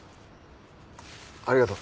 ありがとう。